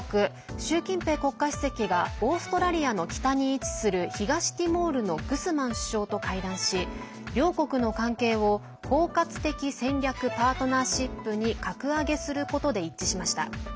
習近平国家主席がオーストラリアの北に位置する東ティモールのグスマン首相と会談し両国の関係を包括的戦略パートナーシップに格上げすることで一致しました。